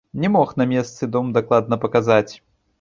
Не мог на месцы і дом дакладна паказаць.